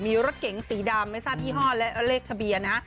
มีรถเก๋งสีดำไม่ทราบยี่ห้อและเลขทะเบียนนะฮะ